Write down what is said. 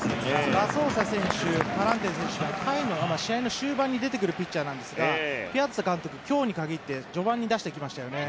ラソーサ選手、パランテ選手試合の終盤に出てくる選手ですがピアザ監督、今日に限って序盤に出してきましたよね。